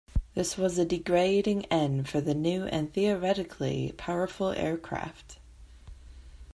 This was a degrading end for the new and theoretically powerful aircraft.